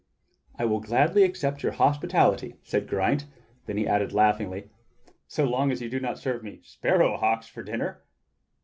"I will gladly accept your hospitality," said Geraint, then he added laughingly :" So long as you do not serve me sparrow hawks for dinner."